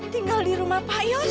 tingga di rumah pak yus